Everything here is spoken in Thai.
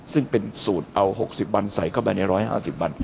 ซึ่งเป็นสูตรเอา๖๐วันใส่เข้าไปใน๑๕๐วัน